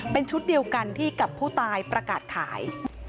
เป็นชุดเดียวกันที่กับผู้ตายประกาศขาย